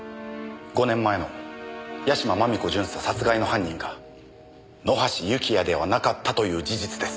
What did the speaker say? ５年前の屋島真美子巡査殺害の犯人が野橋幸也ではなかったという事実です。